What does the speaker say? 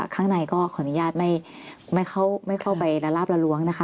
ข้างในก็ขออนุญาตไม่เข้าไปละลาบละล้วงนะคะ